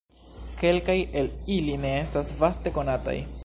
Kelkaj el ili ne estas vaste konataj.